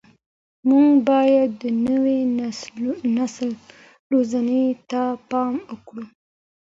موږ باید د نوي نسل روزنې ته پام وکړو.